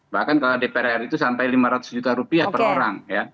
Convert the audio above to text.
bahkan kalau dpr itu sampai lima ratus juta rupiah per orang